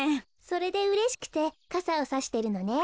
それでうれしくてかさをさしてるのね。